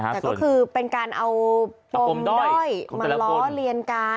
แต่ก็คือเป็นการเอาปมด้อยมาล้อเลียนกัน